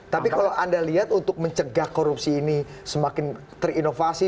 tapi kalau anda lihat untuk mencegah korupsi ini semakin terinovasi